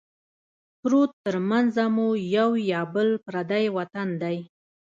پروت ترمنځه مو یو یا بل پردی وطن دی